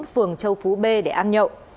phường châu phú b để ăn nhậu